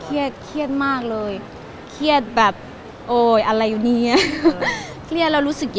เมื่อการกำหนดการที่เกิดขึ้นเพราะว่าหลายคนมองว่าเราผิดด้วยอะไรแบบนี้